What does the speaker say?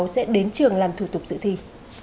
sẽ đến trường làm thủ tục dự thi